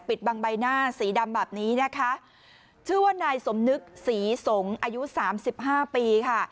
บังใบหน้าสีดำแบบนี้นะคะชื่อว่านายสมนึกศรีสงศ์อายุสามสิบห้าปีค่ะ